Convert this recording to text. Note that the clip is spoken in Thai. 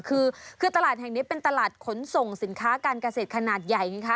คือคือตลาดแห่งนี้เป็นตลาดขนส่งสินค้าการเกษตรขนาดใหญ่ไงคะ